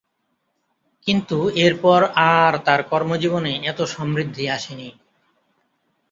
কিন্তু এরপর আর তার কর্মজীবনে এতো সমৃদ্ধি আসে নি।